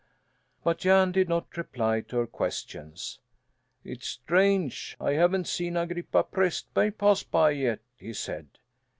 But Jan did not reply to her questions. "It's strange I haven't seen Agrippa Prästberg pass by yet," he said.